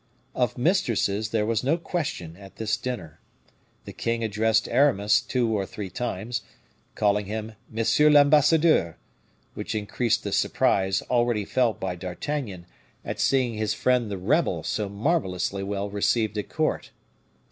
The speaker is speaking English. Of mistresses there was no question at this dinner. The king addressed Aramis two or three times, calling him M. l'ambassadeur, which increased the surprise already felt by D'Artagnan at seeing his friend the rebel so marvelously well received at court.